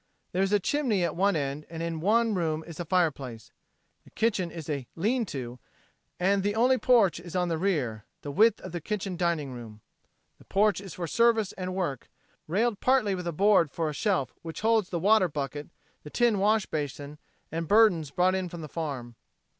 There is a chimney at one end and in one room is a fireplace. The kitchen is a "lean to" and the only porch is on the rear, the width of the kitchen dining room. The porch is for service and work, railed partly with a board for a shelf, which holds the water bucket, the tin wash basin and burdens brought in from the farm.